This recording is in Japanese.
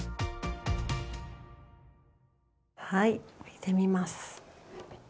はい置いてみます。